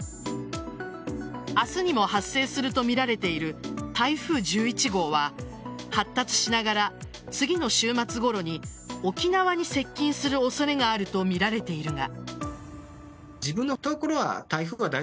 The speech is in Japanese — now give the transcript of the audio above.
明日にも発生するとみられている台風１１号は発達しながら次の週末ごろに沖縄に接近する恐れがあるとみられているが。